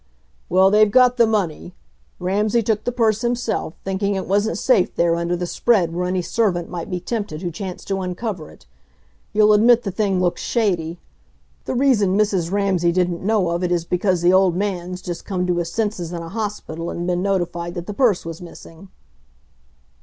"Well, they've got the money. Ramsay took the purse himself, thinking it wasn't safe there under the spread where any servant might be tempted who chanced to uncover it. You'll admit the thing looked shady. The reason Mrs. Ramsay didn't know of it is because the old man's just come to his senses in a hospital and been notified that the purse was missing."